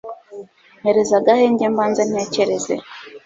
mpereza agahenge mbanze ntekereze